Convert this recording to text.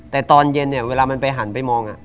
แต่ตอนเย็นเนี่ยเวลามันไปหันไปมอง